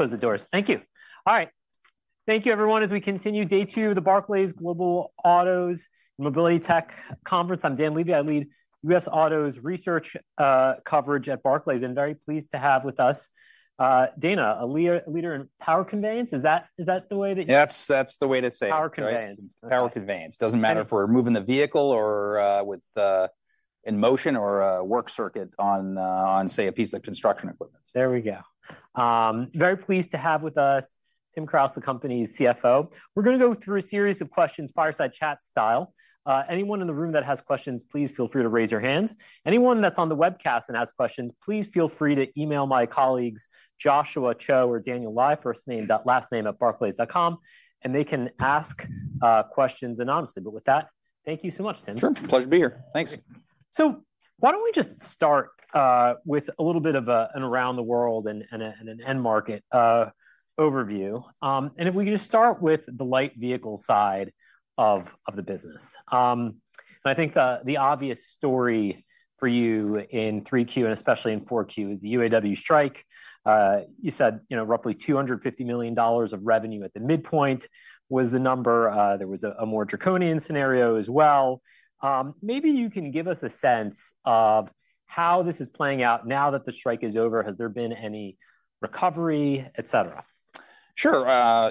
Good. Close the doors. Thank you. All right. Thank you, everyone, as we continue day two of the Barclays Global Autos Mobility Tech Conference. I'm Dan Levy. I lead U.S. Autos Research coverage at Barclays, and very pleased to have with us Dana, a leader, a leader in power conveyance. Is that, is that the way that you- That's the way to say it. Power conveyance. Power conveyance. Okay. Doesn't matter if we're moving the vehicle or, with, in motion or a work circuit on, on, say, a piece of construction equipment. There we go. Very pleased to have with us Tim Kraus, the company's CFO. We're gonna go through a series of questions, fireside chat style. Anyone in the room that has questions, please feel free to raise your hands. Anyone that's on the webcast and has questions, please feel free to email my colleagues, Joshua Cho or Daniel Lai, first name.last name@barclays.com, and they can ask questions anonymously. But with that, thank you so much, Tim. Sure. Pleasure to be here. Thanks. So why don't we just start with a little bit of an around the world and an end market overview? And if we can just start with the light vehicle side of the business. And I think the obvious story for you in 3Q and especially in 4Q is the UAW strike. You said, you know, roughly $250 million of revenue at the midpoint was the number. There was a more draconian scenario as well. Maybe you can give us a sense of how this is playing out now that the strike is over. Has there been any recovery, et cetera? Sure.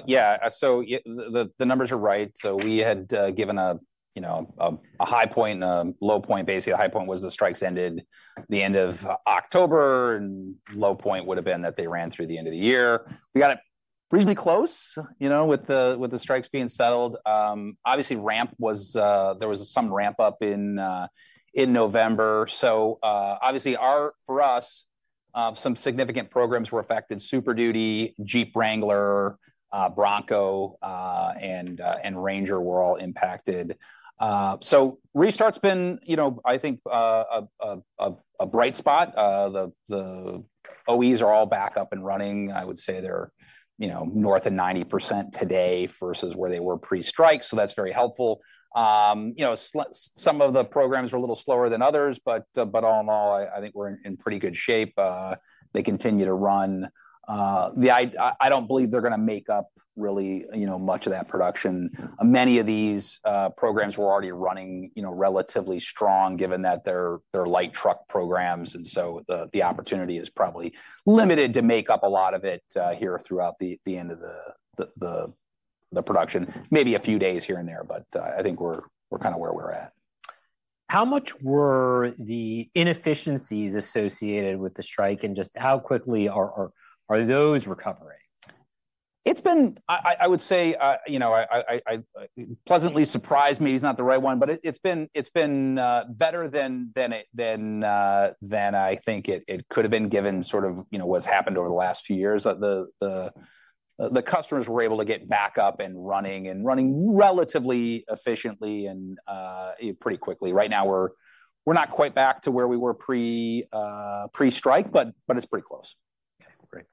Yeah, so the numbers are right. So we had given a, you know, a high point and a low point. Basically, the high point was the strikes ended the end of October, and low point would've been that they ran through the end of the year. We got it reasonably close, you know, with the strikes being settled. Obviously, ramp was, there was some ramp up in November. So, obviously, for us, some significant programs were affected: Super Duty, Jeep Wrangler, Bronco, and Ranger were all impacted. So restart's been, you know, I think, a bright spot. The OEs are all back up and running. I would say they're, you know, north of 90% today versus where they were pre-strike, so that's very helpful. You know, some of the programs were a little slower than others, but, but all in all, I, I think we're in, in pretty good shape. They continue to run. I, I don't believe they're gonna make up really, you know, much of that production. Many of these, programs were already running, you know, relatively strong, given that they're, they're light truck programs, and so the, the opportunity is probably limited to make up a lot of it, here throughout the, the end of the, the production. Maybe a few days here and there, but, I think we're, we're kind of where we're at. How much were the inefficiencies associated with the strike, and just how quickly are those recovering? It's been pleasantly surprised me is not the right one, but it's been better than I think it could've been, given sort of, you know, what's happened over the last few years. The customers were able to get back up and running relatively efficiently and pretty quickly. Right now, we're not quite back to where we were pre-strike, but it's pretty close. Okay, great.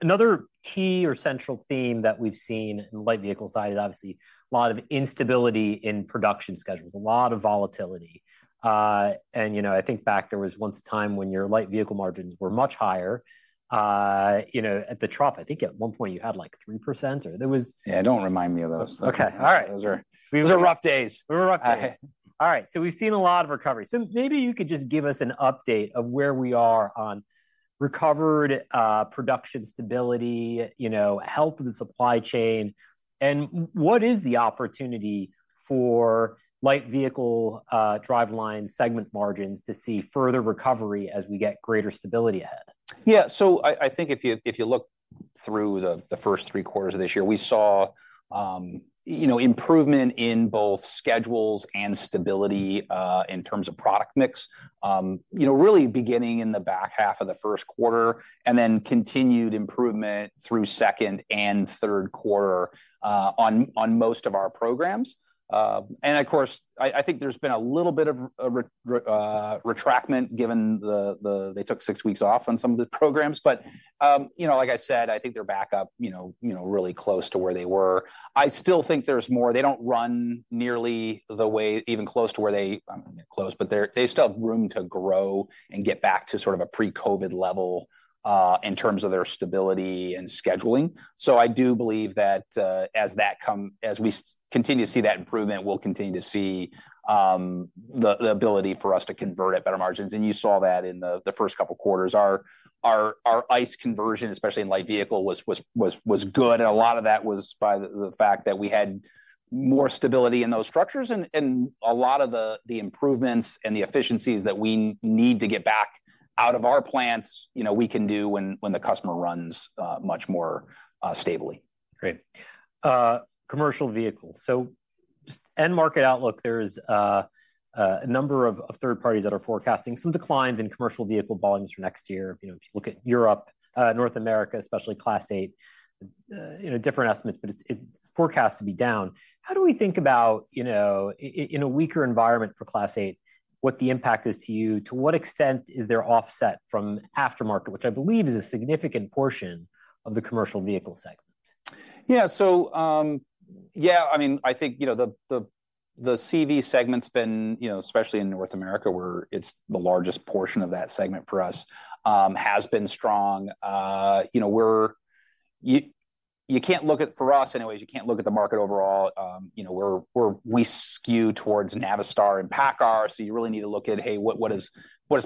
Another key or central theme that we've seen in the light vehicle side is obviously a lot of instability in production schedules, a lot of volatility. You know, I think back, there was once a time when your light vehicle margins were much higher. You know, at the trough, I think at one point you had, like, 3%, or there was- Yeah, don't remind me of those things. Okay, all right. Those were, those were rough days. They were rough days. All right, so we've seen a lot of recovery. So maybe you could just give us an update of where we are on recovered production stability, you know, health of the supply chain, and what is the opportunity for light vehicle driveline segment margins to see further recovery as we get greater stability ahead? Yeah, so I think if you look through the first three quarters of this year, we saw, you know, improvement in both schedules and stability in terms of product mix. You know, really beginning in the back half of the first quarter, and then continued improvement through second and third quarter on most of our programs. And of course, I think there's been a little bit of retrenchment, given that they took six weeks off on some of the programs. But, you know, like I said, I think they're back up, you know, really close to where they were. I still think there's more. They don't run nearly the way, even close to where they Close, but they still have room to grow and get back to sort of a pre-COVID level in terms of their stability and scheduling. So I do believe that as we continue to see that improvement, we'll continue to see the ability for us to convert at better margins, and you saw that in the first couple of quarters. Our ICE conversion, especially in light vehicle, was good, and a lot of that was by the fact that we had more stability in those structures. And a lot of the improvements and the efficiencies that we need to get back out of our plants, you know, we can do when the customer runs much more stably. Great. Commercial vehicles. So just end market outlook, there's a number of third parties that are forecasting some declines in commercial vehicle volumes for next year. You know, if you look at Europe, North America, especially Class 8, you know, different estimates, but it's forecast to be down. How do we think about, you know, in a weaker environment for Class 8, what the impact is to you? To what extent is there offset from aftermarket, which I believe is a significant portion of the commercial vehicle segment? Yeah. So, yeah, I mean, I think, you know, the CV segment's been, you know, especially in North America, where it's the largest portion of that segment for us, has been strong. You know, we're—you can't look at—for us, anyways, you can't look at the market overall. You know, we skew towards Navistar and PACCAR, so you really need to look at, "Hey, what does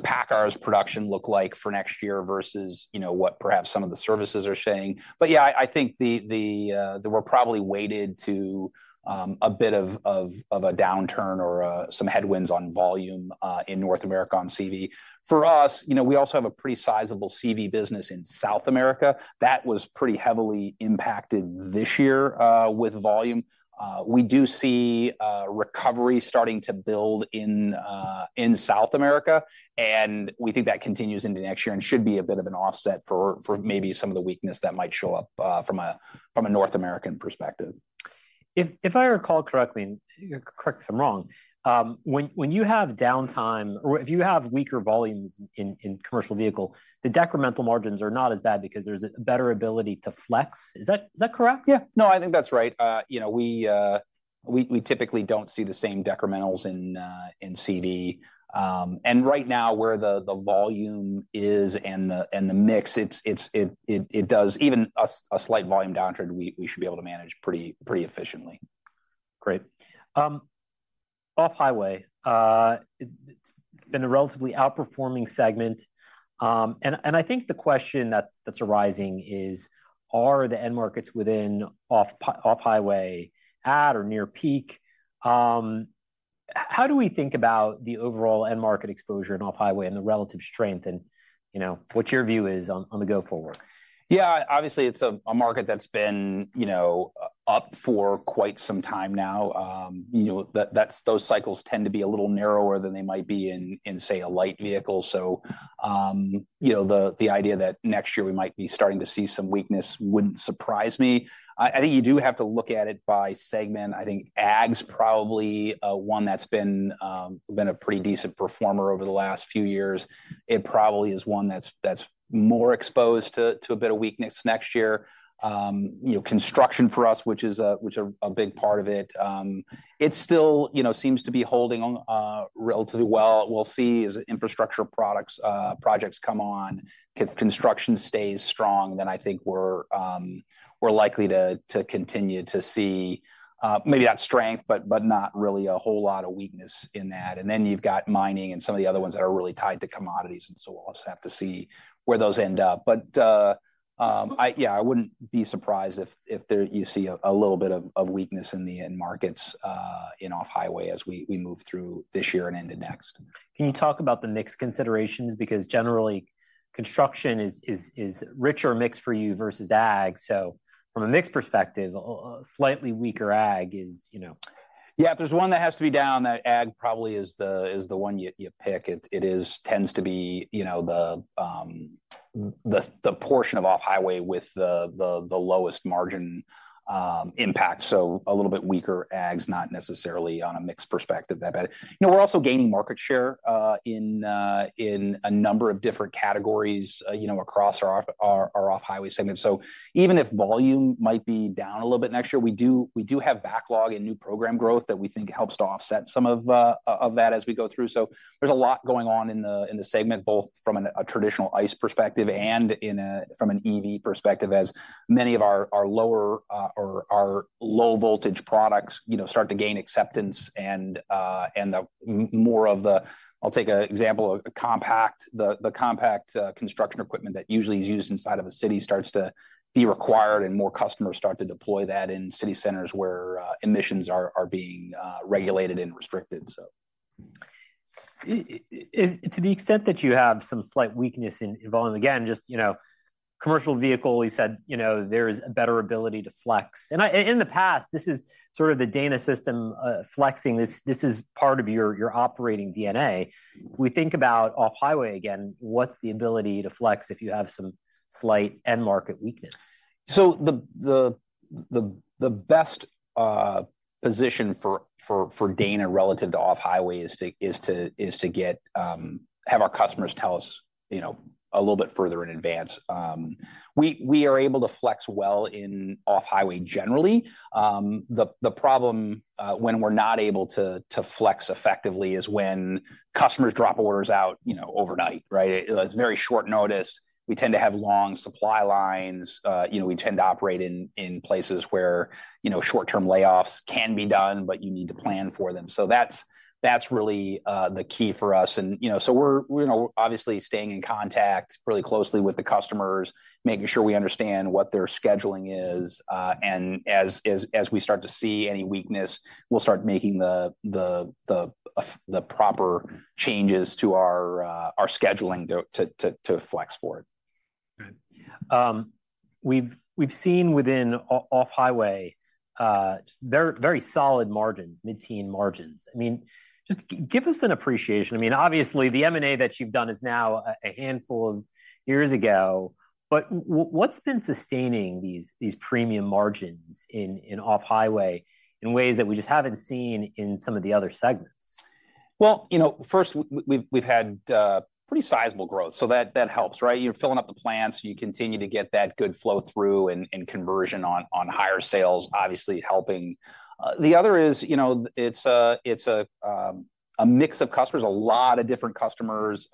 PACCAR's production look like for next year versus, you know, what perhaps some of the services are saying?" But yeah, I think the that we're probably weighted to a bit of a downturn or some headwinds on volume in North America on CV. For us, you know, we also have a pretty sizable CV business in South America. That was pretty heavily impacted this year, with volume. We do see recovery starting to build in, in South America, and we think that continues into next year and should be a bit of an offset for, for maybe some of the weakness that might show up, from a, from a North American perspective. If I recall correctly, and correct me if I'm wrong, when you have downtime, or if you have weaker volumes in commercial vehicle, the decremental margins are not as bad because there's a better ability to flex. Is that correct? Yeah. No, I think that's right. You know, we typically don't see the same decrementals in CV. And right now, where the volume is and the mix, it does even a slight volume downtrend, we should be able to manage pretty efficiently. Great. Off-highway, it's been a relatively outperforming segment. And I think the question that's arising is: Are the end markets within off-highway at or near peak? How do we think about the overall end market exposure in off-highway and the relative strength, and you know, what your view is on the go forward? Yeah, obviously, it's a market that's been, you know, up for quite some time now. You know, those cycles tend to be a little narrower than they might be in, say, a light vehicle. So, you know, the idea that next year we might be starting to see some weakness wouldn't surprise me. I think you do have to look at it by segment. I think Ag's probably one that's been a pretty decent performer over the last few years. It probably is one that's more exposed to a bit of weakness next year. You know, construction for us, which is a big part of it, it still, you know, seems to be holding on relatively well. We'll see as infrastructure projects come on. If construction stays strong, then I think we're likely to continue to see maybe not strength, but not really a whole lot of weakness in that. And then you've got mining and some of the other ones that are really tied to commodities and so on. So we'll have to see where those end up. But yeah, I wouldn't be surprised if there you see a little bit of weakness in the end markets in off-highway as we move through this year and into next. Can you talk about the mix considerations? Because generally, construction is a richer mix for you versus Ag. So from a mix perspective, slightly weaker Ag is, you know- Yeah, if there's one that has to be down, Ag probably is the one you pick. It tends to be, you know, the portion of off-highway with the lowest margin impact. So a little bit weaker Ag's not necessarily on a mix perspective that bad. You know, we're also gaining market share in a number of different categories, you know, across our off-highway segment. So even if volume might be down a little bit next year, we do have backlog and new program growth that we think helps to offset some of that as we go through. So there's a lot going on in the segment, both from a traditional ICE perspective and from an EV perspective, as many of our lower, or our low-voltage products, you know, start to gain acceptance and the more of the, I'll take an example, a compact. The compact construction equipment that usually is used inside of a city starts to be required, and more customers start to deploy that in city centers where emissions are being regulated and restricted, so. To the extent that you have some slight weakness in volume, again, just, you know, commercial vehicle, you said, you know, there is a better ability to flex. And in the past, this is sort of the Dana system flexing. This is part of your operating DNA. We think about off-highway again, what's the ability to flex if you have some slight end market weakness? So the best position for Dana relative to off-highway is to have our customers tell us, you know, a little bit further in advance. We are able to flex well in off-highway generally. The problem when we're not able to flex effectively is when customers drop orders out, you know, overnight, right? It's very short notice. We tend to have long supply lines. You know, we tend to operate in places where, you know, short-term layoffs can be done, but you need to plan for them. So that's really the key for us. You know, so we're, you know, obviously staying in contact really closely with the customers, making sure we understand what their scheduling is, and as we start to see any weakness, we'll start making the proper changes to our scheduling to flex for it. Right. We've seen within off-highway very, very solid margins, mid-teen margins. I mean, just give us an appreciation. I mean, obviously, the M&A that you've done is now a handful of years ago, but what's been sustaining these, these premium margins in off-highway in ways that we just haven't seen in some of the other segments? Well, you know, first, we've had pretty sizable growth, so that helps, right? You're filling up the plants, you continue to get that good flow-through and conversion on higher sales, obviously helping. The other is, you know, it's a mix of customers, a lot of different customers.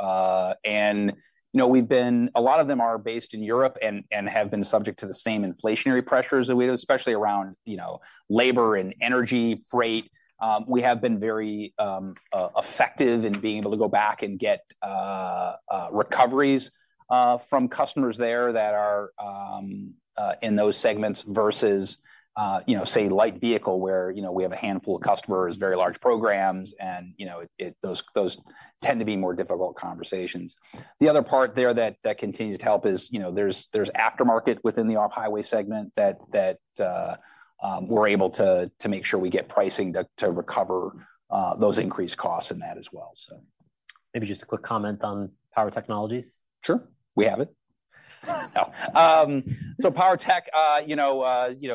And, you know, we've been-- A lot of them are based in Europe and have been subject to the same inflationary pressures that we have, especially around, you know, labor and energy, freight. We have been very effective in being able to go back and get recoveries from customers there that are in those segments versus you know say light vehicle, where you know we have a handful of customers, very large programs, and those tend to be more difficult conversations. The other part there that continues to help is you know there's aftermarket within the off-highway segment that we're able to make sure we get pricing to recover those increased costs in that as well, so. Maybe just a quick comment on power technologies? Sure. We have it. So power tech, you know, you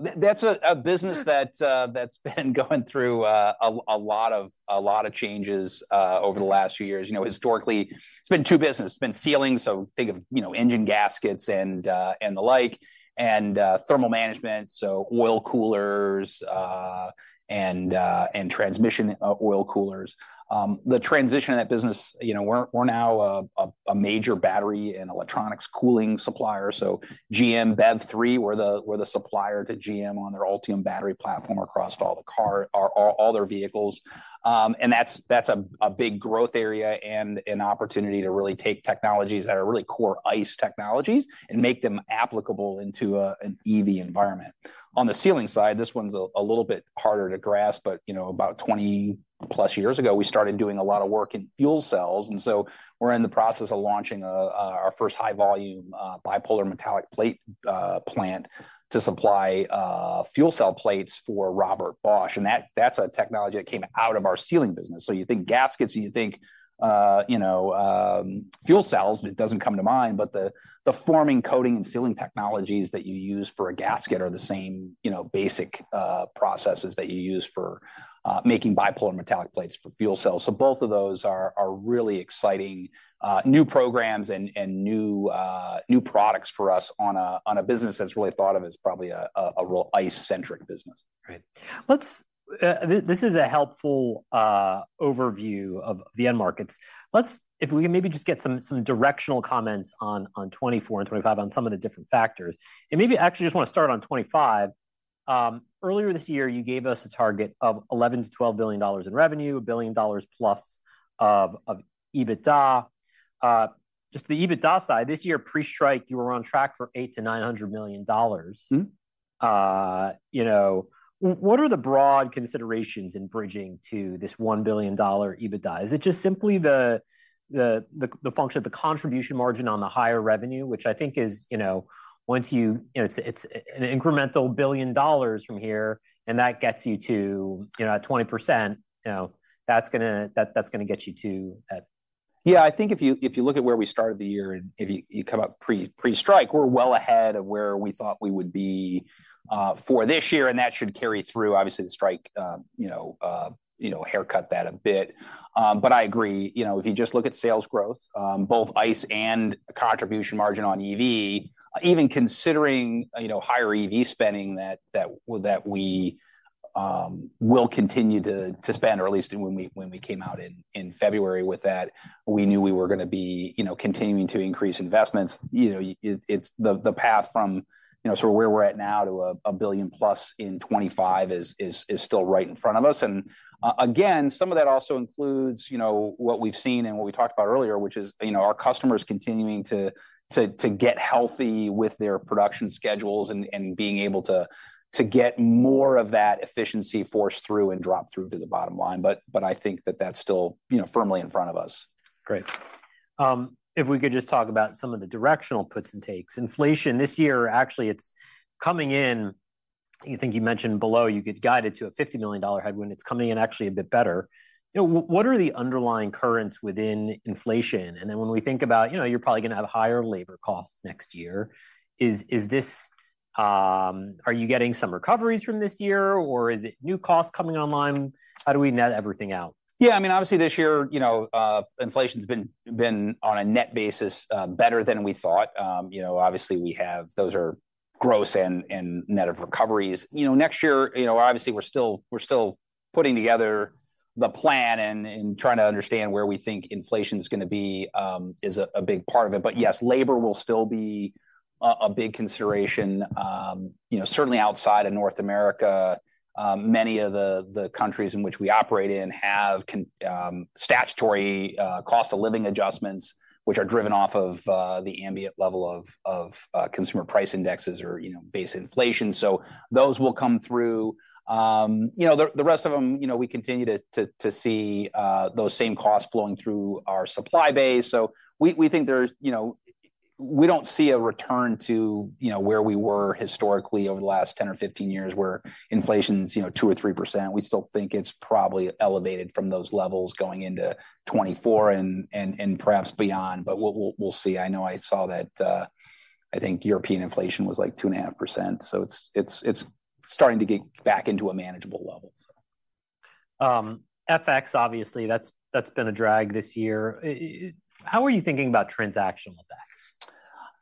know, we're—that's a business that's been going through a lot of changes over the last few years. You know, historically, it's been two businesses. It's been sealing, so think of, you know, engine gaskets and the like, and thermal management, so oil coolers and transmission oil coolers. The transition in that business, you know, we're now a major battery and electronics cooling supplier. So GM BEV3, we're the supplier to GM on their Ultium battery platform across all their vehicles. And that's a big growth area and an opportunity to really take technologies that are really core ICE technologies and make them applicable into an EV environment. On the sealing side, this one's a little bit harder to grasp but, you know, about 20+ years ago, we started doing a lot of work in fuel cells, and so we're in the process of launching our first high-volume bipolar metallic plate plant to supply fuel cell plates for Robert Bosch. And that's a technology that came out of our sealing business. So you think gaskets, you think, you know, fuel cells, it doesn't come to mind, but the forming, coating, and sealing technologies that you use for a gasket are the same, you know, basic processes that you use for making bipolar metallic plates for fuel cells. So both of those are really exciting new programs and new products for us on a business that's really thought of as probably a real ICE-centric business. Right. This is a helpful overview of the end markets. If we can maybe just get some directional comments on 2024 and 2025 on some of the different factors. Maybe I actually just want to start on 2025. Earlier this year, you gave us a target of $11 billion-$12 billion in revenue, $1 billion plus of EBITDA. Just the EBITDA side, this year, pre-strike, you were on track for $800 million-$900 million. Mm-hmm. You know, what are the broad considerations in bridging to this $1 billion EBITDA? Is it just simply the function of the contribution margin on the higher revenue, which I think is, you know, once you, you know, it's an incremental $1 billion from here, and that gets you to, you know, at 20%, you know, that's gonna get you to that. Yeah, I think if you, if you look at where we started the year, and if you, you come up pre-strike, we're well ahead of where we thought we would be for this year, and that should carry through. Obviously, the strike, you know, haircut that a bit. But I agree. You know, if you just look at sales growth, both ICE and contribution margin on EV, even considering, you know, higher EV spending that we will continue to spend, or at least when we came out in February with that, we knew we were going to be, you know, continuing to increase investments. You know, it's the path from, you know, sort of where we're at now to a $1 billion plus in 2025 is still right in front of us. And again, some of that also includes, you know, what we've seen and what we talked about earlier, which is, you know, our customers continuing to get healthy with their production schedules and being able to get more of that efficiency forced through and drop through to the bottom line. But I think that's still, you know, firmly in front of us. Great. If we could just talk about some of the directional puts and takes. Inflation, this year, actually, it's coming in—I think you mentioned below, you had guided to a $50 million headwind. It's coming in actually a bit better. You know, what are the underlying currents within inflation? And then, when we think about, you know, you're probably going to have higher labor costs next year, is, is this are you getting some recoveries from this year, or is it new costs coming online? How do we net everything out? Yeah, I mean, obviously, this year, you know, inflation's been on a net basis better than we thought. You know, obviously, we have—those are gross and net of recoveries. You know, next year, you know, obviously, we're still putting together the plan and trying to understand where we think inflation's going to be is a big part of it. But yes, labor will still be a big consideration. You know, certainly outside of North America, many of the countries in which we operate have statutory cost of living adjustments, which are driven off of the ambient level of consumer price indexes or, you know, base inflation. So those will come through. You know, the rest of them, you know, we continue to see those same costs flowing through our supply base. So we think there's, you know. We don't see a return to, you know, where we were historically over the last 10 or 15 years, where inflation's, you know, 2% or 3%. We still think it's probably elevated from those levels going into 2024 and perhaps beyond, but we'll see. I know I saw that, I think European inflation was, like, 2.5%, so it's starting to get back into a manageable level, so. FX, obviously, that's been a drag this year. How are you thinking about transactional effects?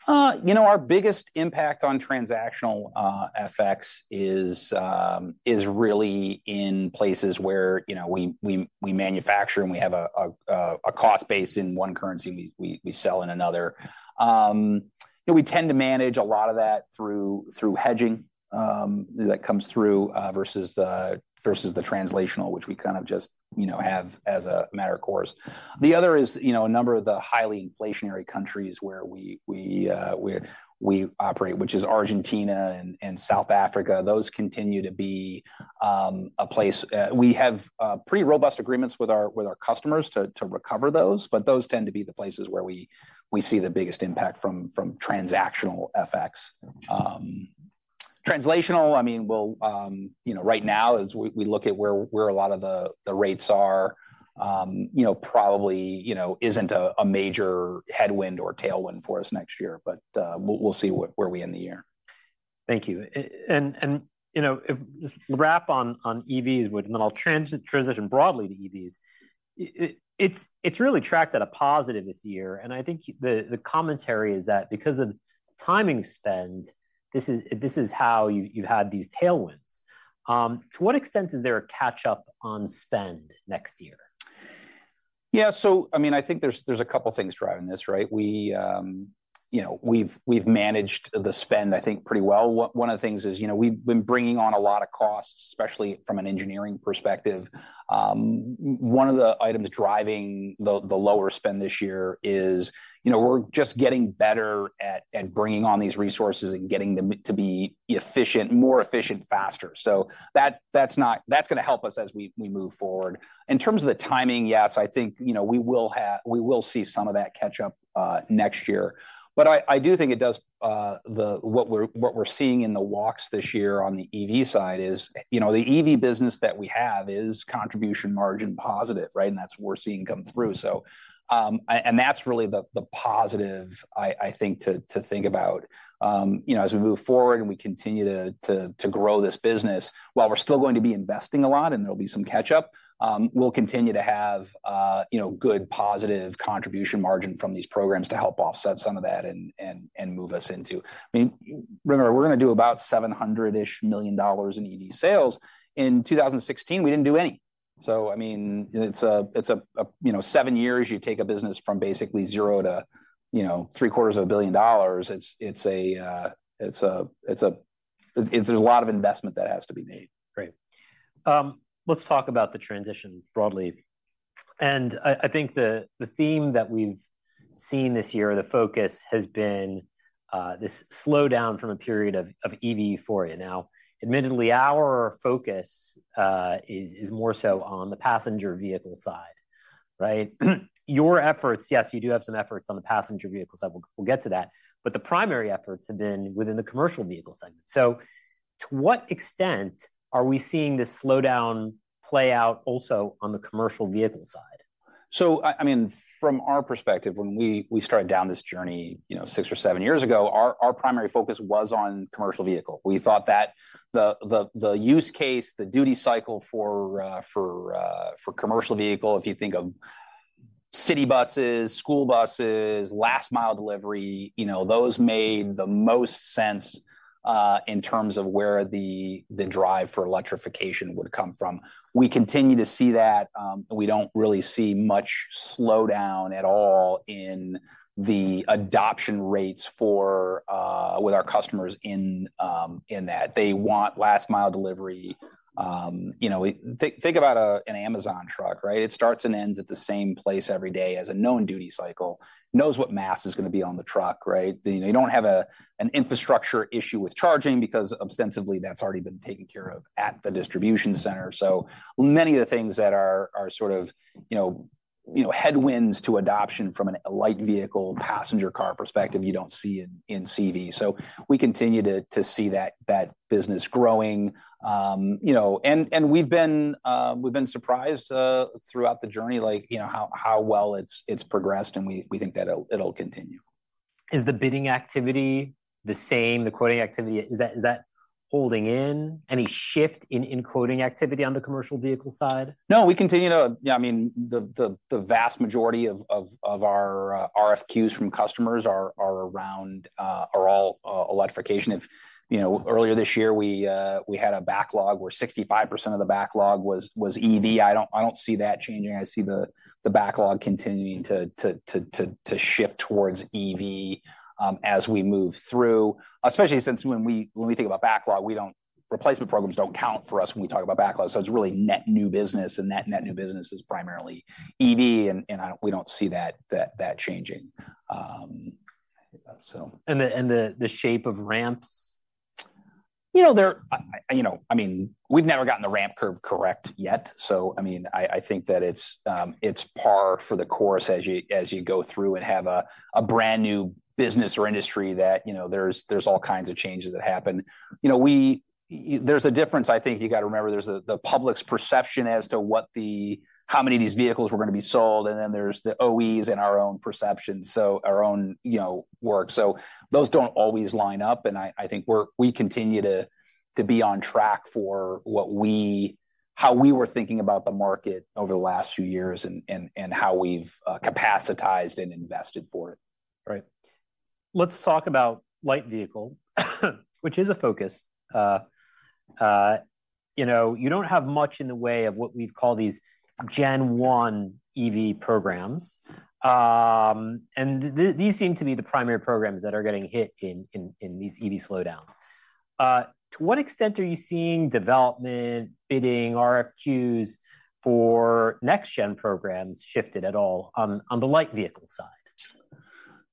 You know, our biggest impact on transactional FX is really in places where, you know, we manufacture and we have a cost base in one currency, and we sell in another. You know, we tend to manage a lot of that through hedging that comes through versus the translational, which we kind of just, you know, have as a matter of course. The other is, you know, a number of the highly inflationary countries where we operate, which is Argentina and South Africa. Those continue to be a place we have pretty robust agreements with our customers to recover those, but those tend to be the places where we see the biggest impact from transactional FX. Translational, I mean, we'll, you know, right now, as we look at where a lot of the rates are, you know, probably isn't a major headwind or tailwind for us next year, but we'll see where we end the year. Thank you. And you know, just wrap on EVs, which, and then I'll transition broadly to EVs. It's really tracked at a positive this year, and I think the commentary is that because of timing spend, this is how you had these tailwinds. To what extent is there a catch-up on spend next year? Yeah, so I mean, I think there's a couple things driving this, right? We, you know, we've managed the spend, I think, pretty well. One of the things is, you know, we've been bringing on a lot of costs, especially from an engineering perspective. One of the items driving the lower spend this year is, you know, we're just getting better at bringing on these resources and getting them to be efficient, more efficient, faster. So that, that's not, that's going to help us as we move forward. In terms of the timing, yes, I think, you know, we will have, we will see some of that catch up next year. But I do think it does, what we're seeing in the walks this year on the EV side is, you know, the EV business that we have is contribution margin positive, right? And that's what we're seeing come through. So, and that's really the positive, I think, to think about. You know, as we move forward and we continue to grow this business, while we're still going to be investing a lot and there'll be some catch-up, we'll continue to have, you know, good, positive contribution margin from these programs to help offset some of that and move us into I mean, remember, we're going to do about $700-ish million in EV sales. In 2016, we didn't do any. So I mean, it's a, you know, seven years, you take a business from basically zero to, you know, $750 million, it's a, it's a- it's, there's a lot of investment that has to be made. Great. Let's talk about the transition broadly. I think the theme that we've seen this year, the focus has been this slowdown from a period of EV euphoria. Now, admittedly, our focus is more so on the passenger vehicle side, right? Your efforts, yes, you do have some efforts on the passenger vehicle side. We'll get to that, but the primary efforts have been within the commercial vehicle segment. So to what extent are we seeing this slowdown play out also on the commercial vehicle side? So I mean, from our perspective, when we started down this journey, you know, six or seven years ago, our primary focus was on commercial vehicle. We thought that the use case, the duty cycle for commercial vehicle, if you think of city buses, school buses, last mile delivery, you know, those made the most sense in terms of where the drive for electrification would come from. We continue to see that, and we don't really see much slowdown at all in the adoption rates with our customers in that. They want last mile delivery. You know, think about an Amazon truck, right? It starts and ends at the same place every day as a known duty cycle, knows what mass is going to be on the truck, right? You know, you don't have an infrastructure issue with charging because ostensibly that's already been taken care of at the distribution center. So many of the things that are sort of, you know, headwinds to adoption from a light vehicle, passenger car perspective, you don't see in CV. So we continue to see that business growing. You know, and we've been surprised throughout the journey, like, you know, how well it's progressed, and we think that it'll continue. Is the bidding activity the same, the quoting activity? Is that, is that holding in? Any shift in, in quoting activity on the commercial vehicle side? No, we continue to. Yeah, I mean, the vast majority of our RFQs from customers are around, are all electrification. You know, earlier this year, we had a backlog where 65% of the backlog was EV. I don't see that changing. I see the backlog continuing to shift towards EV as we move through. Especially since when we think about backlog, we don't, replacement programs don't count for us when we talk about backlog. So it's really net new business, and net net new business is primarily EV, and we don't see that changing. So- And the shape of ramps? You know, they're I you know I mean we've never gotten the ramp curve correct yet. So I mean I think that it's it's par for the course as you as you go through and have a a brand-new business or industry that you know there's there's all kinds of changes that happen. You know there's a difference I think you got to remember there's the the public's perception as to what the how many of these vehicles were going to be sold and then there's the OEs and our own perceptions. So our own you know work. So those don't always line up and I think we're we continue to to be on track for what we how we were thinking about the market over the last few years and and how we've capacitized and invested for it. Right. Let's talk about light vehicle, which is a focus. You know, you don't have much in the way of what we'd call these Gen 1 EV programs. And these seem to be the primary programs that are getting hit in these EV slowdowns. To what extent are you seeing development, bidding, RFQs for next gen programs shifted at all on the light vehicle side?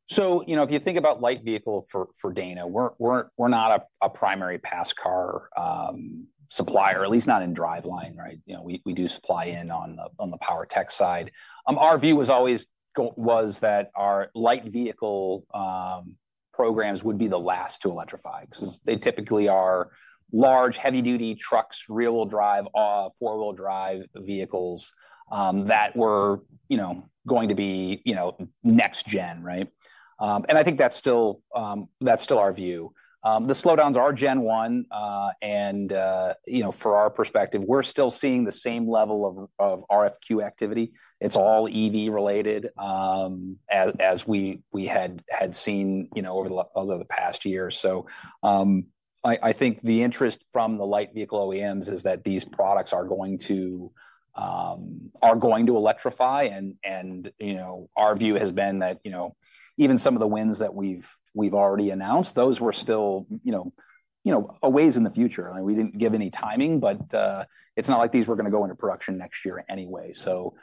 So, you know, if you think about light vehicle for Dana, we're not a primary passenger car supplier, at least not in driveline, right? You know, we do supply on the power tech side. Our view was always that our light vehicle programs would be the last to electrify- Mm. -because they typically are large, heavy-duty trucks, rear-wheel drive, four-wheel drive vehicles, that were, you know, going to be, you know, next gen, right? And I think that's still, that's still our view. The slowdowns are Gen 1, and, you know, from our perspective, we're still seeing the same level of RFQ activity. It's all EV related, as we had seen, you know, over the past year. So, I think the interest from the light vehicle OEMs is that these products are going to, are going to electrify. And, you know, our view has been that, you know, even some of the wins that we've already announced, those were still, you know, a ways in the future. We didn't give any timing, but it's not like these were going to go into production next year anyway. So,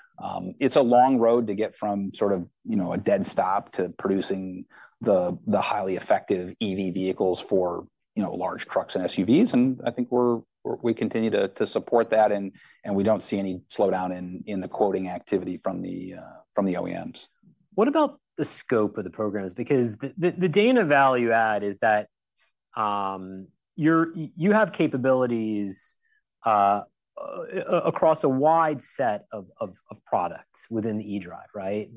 it's a long road to get from sort of, you know, a dead stop to producing the highly effective EV vehicles for, you know, large trucks and SUVs, and I think we continue to support that, and we don't see any slowdown in the quoting activity from the OEMs. What about the scope of the programs? Because the Dana value add is that, you have capabilities across a wide set of products within the eDrive, right?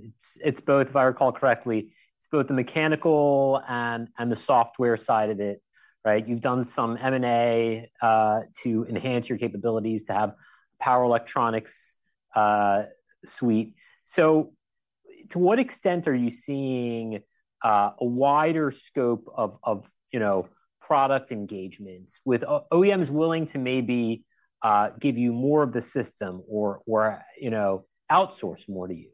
It's both, if I recall correctly, it's both the mechanical and the software side of it, right? You've done some M&A to enhance your capabilities to have power electronics suite. So to what extent are you seeing a wider scope of, you know, product engagements, with OEMs willing to maybe give you more of the system or, you know, outsource more to you?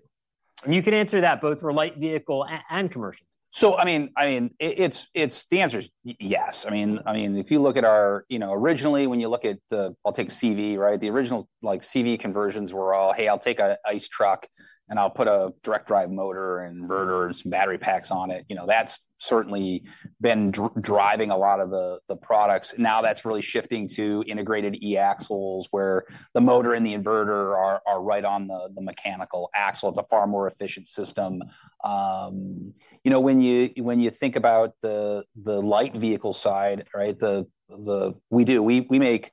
And you can answer that both for light vehicle and commercial. So, I mean, it's the answer is yes. I mean, if you look at our. You know, originally, when you look at the, I'll take a CV, right? The original, like, CV conversions were all, "Hey, I'll take a ICE truck, and I'll put a direct drive motor, inverter, and some battery packs on it." You know, that's certainly been driving a lot of the products. Now, that's really shifting to integrated e-axles, where the motor and the inverter are right on the mechanical axle. It's a far more efficient system. You know, when you think about the light vehicle side, right, we do. We make,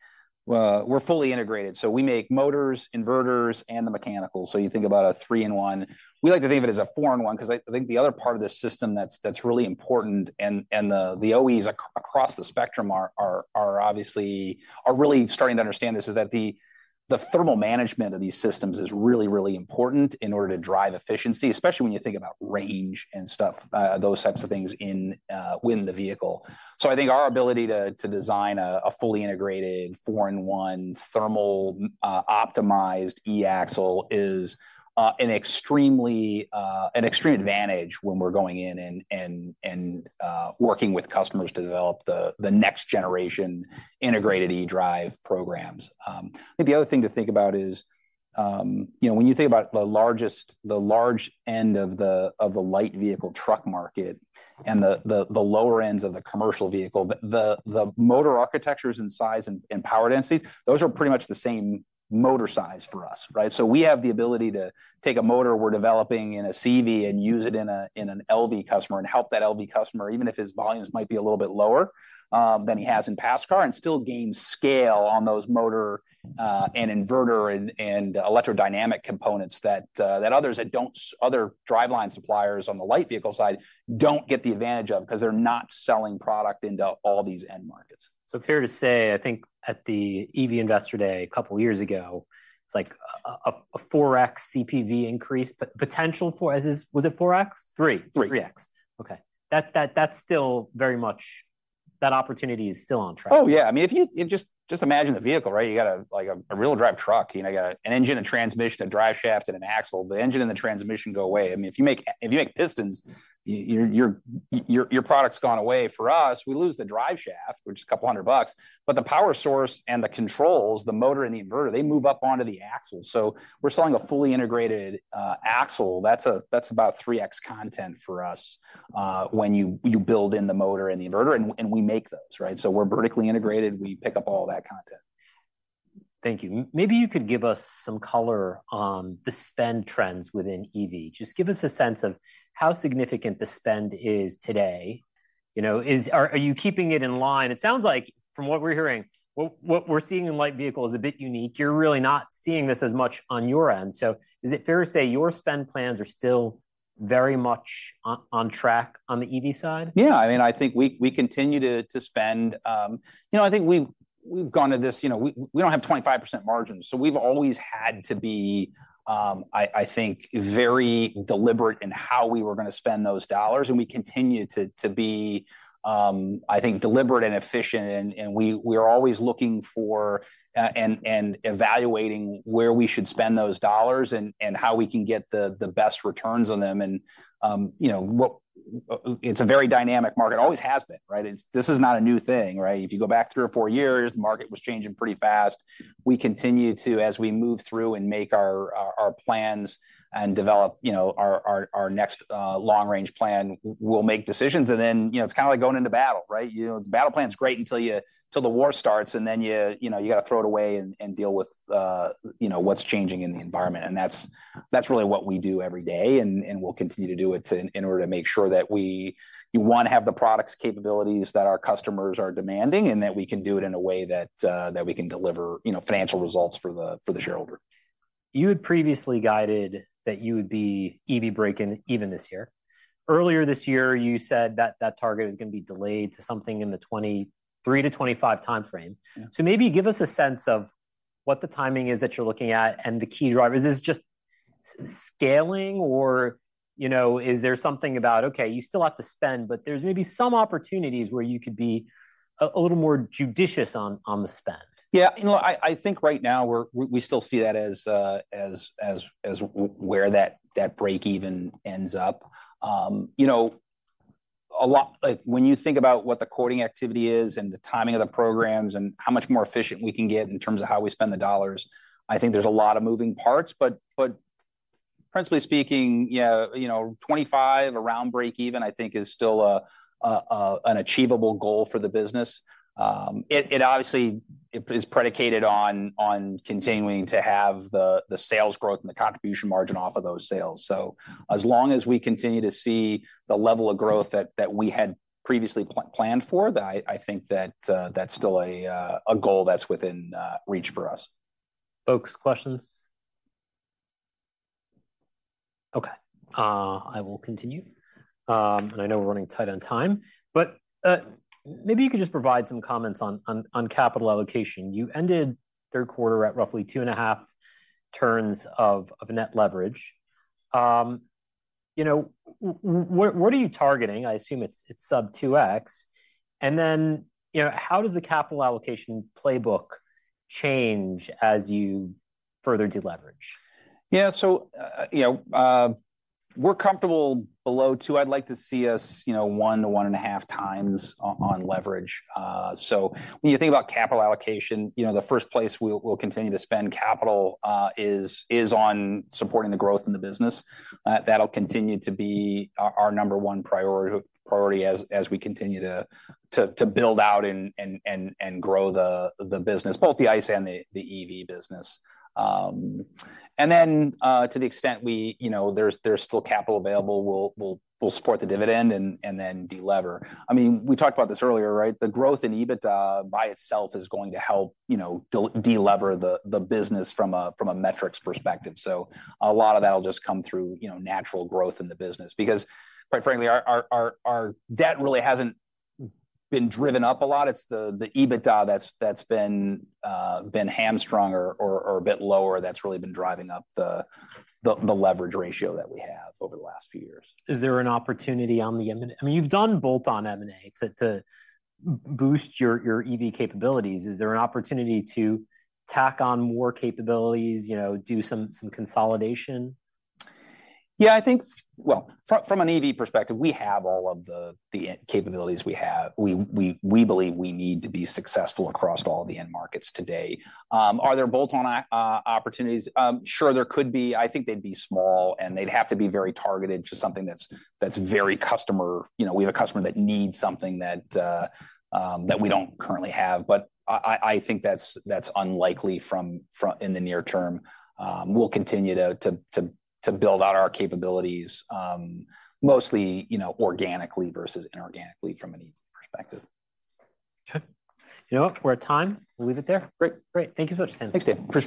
we're fully integrated. So we make motors, inverters, and the mechanical. So you think about a three-in-one. We like to think of it as a four-in-one, 'cause I think the other part of this system that's really important, and the OEs across the spectrum are obviously really starting to understand this, is that the thermal management of these systems is really, really important in order to drive efficiency, especially when you think about range and stuff, those types of things within the vehicle. So I think our ability to design a fully integrated four-in-one thermal optimized e-Axle is an extreme advantage when we're going in and working with customers to develop the next generation integrated eDrive programs. I think the other thing to think about is, you know, when you think about the large end of the light vehicle truck market and the lower ends of the commercial vehicle, the motor architectures and size and power densities, those are pretty much the same motor size for us, right? So we have the ability to take a motor we're developing in a CV and use it in an LV customer and help that LV customer, even if his volumes might be a little bit lower than he has in passenger car, and still gain scale on those motor and inverter and electrodynamic components that other driveline suppliers on the light vehicle side don't get the advantage of, 'cause they're not selling product into all these end markets. So, fair to say, I think at the EV Investor Day a couple of years ago, it's like a 4x CPV increase, potential for as is. Was it 4x? Three. Okay. That's still very much that opportunity is still on track? Oh, yeah. I mean, if you just imagine the vehicle, right? You got, like, a rear-wheel drive truck. You know, you got an engine, a transmission, a driveshaft, and an axle. The engine and the transmission go away. I mean, if you make pistons, your product's gone away. For us, we lose the driveshaft, which is $200, but the power source and the controls, the motor and the inverter, they move up onto the axle. So we're selling a fully integrated axle. That's about 3X content for us, when you build in the motor and the inverter, and we make those, right? So we're vertically integrated. We pick up all that content. Thank you. Maybe you could give us some color on the spend trends within EV. Just give us a sense of how significant the spend is today. You know, is, are you keeping it in line? It sounds like from what we're hearing, what we're seeing in light vehicle is a bit unique. You're really not seeing this as much on your end. So is it fair to say your spend plans are still very much on, on track on the EV side? Yeah. I mean, I think we continue to spend. You know, I think we've gone to this, you know, we don't have 25% margins, so we've always had to be, I think, very deliberate in how we were going to spend those dollars, and we continue to be, I think, deliberate and efficient. And we, we're always looking for and evaluating where we should spend those dollars, and how we can get the best returns on them. And, you know, what-- it's a very dynamic market. Always has been, right? It's-- This is not a new thing, right? If you go back three or four years, the market was changing pretty fast. We continue to, as we move through and make our plans and develop, you know, our next long-range plan, we'll make decisions, and then, you know, it's kind of like going into battle, right? You know, the battle plan's great until till the war starts, and then you, you know, you got to throw it away and deal with, you know, what's changing in the environment. And that's really what we do every day, and we'll continue to do it in order to make sure that we—you want to have the products capabilities that our customers are demanding, and that we can do it in a way that we can deliver, you know, financial results for the shareholder. You had previously guided that you would be EV breaking even this year. Earlier this year, you said that that target was going to be delayed to something in the 2023-2025 timeframe. Yeah. So maybe give us a sense of what the timing is that you're looking at and the key drivers. Is this just scaling or, you know, is there something about, okay, you still have to spend, but there's maybe some opportunities where you could be a little more judicious on the spend? Yeah, you know, I think right now we're we still see that as where that break even ends up. You know, a lot—like, when you think about what the quoting activity is and the timing of the programs, and how much more efficient we can get in terms of how we spend the dollars, I think there's a lot of moving parts. But principally speaking, yeah, you know, 2025, around breakeven, I think is still an achievable goal for the business. It obviously is predicated on continuing to have the sales growth and the contribution margin off of those sales. As long as we continue to see the level of growth that we had previously planned for, then I think that's still a goal that's within reach for us. Folks, questions? Okay, I will continue. And I know we're running tight on time, but maybe you could just provide some comments on capital allocation. You ended third quarter at roughly 2.5 turns of net leverage. You know, what are you targeting? I assume it's sub 2x. And then, you know, how does the capital allocation playbook change as you further deleverage? Yeah, so, you know, we're comfortable below 2. I'd like to see us, you know, 1 to 1.5 times on leverage. So when you think about capital allocation, you know, the first place we'll continue to spend capital is on supporting the growth in the business. That'll continue to be our number one priority as we continue to build out and grow the business, both the ICE and the EV business. And then, to the extent we—you know, there's still capital available, we'll support the dividend and then delever. I mean, we talked about this earlier, right? The growth in EBITDA by itself is going to help delever the business from a metrics perspective. A lot of that'll just come through, you know, natural growth in the business. Because, quite frankly, our debt really hasn't been driven up a lot. It's the EBITDA that's been hamstrung or a bit lower, that's really been driving up the leverage ratio that we have over the last few years. Is there an opportunity on the M&-- I mean, you've done bolt-on M&A to, to boost your, your EV capabilities. Is there an opportunity to tack on more capabilities, you know, do some, some consolidation? Yeah, I think. Well, from an EV perspective, we have all of the end capabilities we have. We believe we need to be successful across all the end markets today. Are there bolt-on opportunities? Sure, there could be. I think they'd be small, and they'd have to be very targeted to something that's very customer, you know, we have a customer that needs something that we don't currently have. But I think that's unlikely, in the near term. We'll continue to build out our capabilities, mostly, you know, organically versus inorganically from an EV perspective. Okay. You know what? We're at time. We'll leave it there. Great. Great. Thank you so much, Dan. Thanks, Dan. Appreciate it.